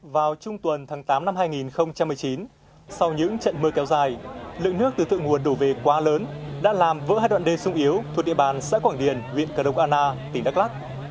vào trung tuần tháng tám năm hai nghìn một mươi chín sau những trận mưa kéo dài lượng nước từ thượng nguồn đổ về quá lớn đã làm vỡ hai đoạn đê sung yếu thuộc địa bàn xã quảng điền huyện cờ đông anna tỉnh đắk lắc